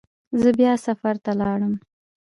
زه بیا سفر ته لاړم.